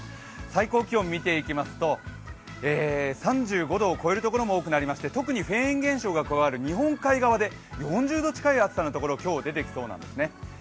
最高気温見ていきますと３５度を超える所も多くなりまして特にフェーン現象が加わる日本海側で４０度近くが今日、出てきそうなんですね。